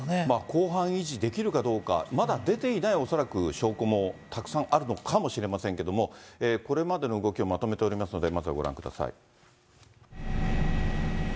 公判維持できるかどうか、まだ出ていない、恐らく証拠もたくさんあるのかもしれませんけども、これまでの動きをまとめておりますので、まずはご覧ください。